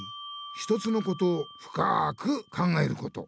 ひとつのことをふかく考えること。